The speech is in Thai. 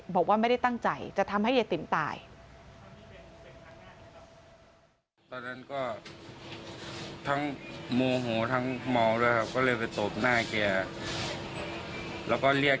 บอกว่าไม่ได้ตั้งใจจะทำให้ยายติ๋มตาย